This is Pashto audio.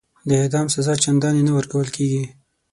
د اعدام سزا چنداني نه ورکول کیږي.